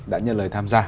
đã nhận lời tham gia